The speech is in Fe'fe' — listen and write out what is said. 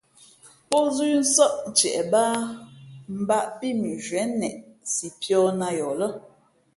Pózʉ́ nsάʼ ntieʼ mbāʼ pí mʉnzhwíé neʼ si pīᾱ nā yαα lά.